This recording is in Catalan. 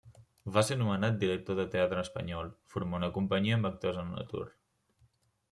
Va ser nomenat director del Teatre espanyol: formà una companyia amb actors en atur.